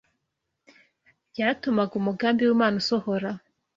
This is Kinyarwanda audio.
byatumaga umugambi w’Imana usohora